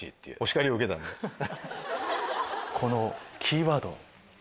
このキーワード